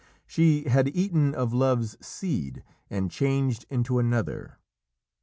She "had eaten of Love's seed" and "changed into another."